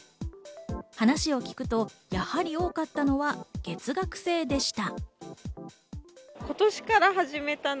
話を聞くと、やはり多かったのは月額制でした。